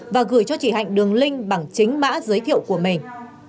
và gửi cho chị hạnh đường link bằng chính mã giới thiệu của mình